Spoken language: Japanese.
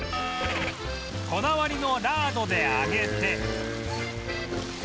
こだわりのラードで揚げて